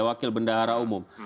wakil bendahara umum